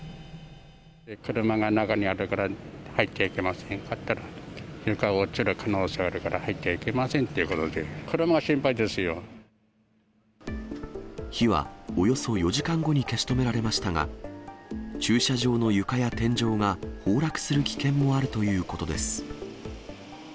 車が中にあるから入っちゃいけませんかって聞いたら、入ったら床が落ちる可能性があるから入ってはいけませんということで、火はおよそ４時間後に消し止められましたが、駐車場の床や天井が崩落する危険もあるということです。